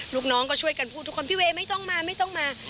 ลูกน้องก็ช่วยกันพูดทุกคนพี่เวย์ไม่ต้องมาไม่ต้องมา